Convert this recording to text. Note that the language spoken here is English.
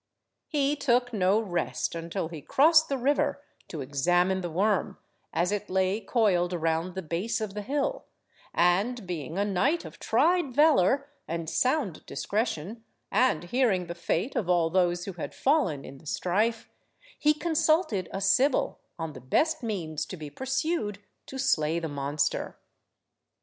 He took no rest until he crossed the river to examine the worm, as it lay coiled around the base of the hill, and being a knight of tried valour and sound discretion, and hearing the fate of all those who had fallen in the strife, he consulted a Sibyl on the best means to be pursued to slay the monster.